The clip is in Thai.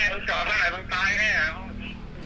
แล้วผมก็ติดต่อยเกี่ยวไว้แรงไงตรงไหนบางวันหนึ่งวันอ่ะ